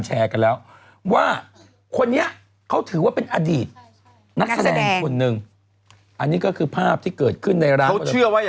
ใช้หลายเครื่องแล้วก็คุณแม่เนี่ย